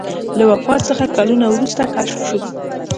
له وفات څخه کلونه وروسته کشف شو.